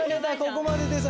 ここまでです。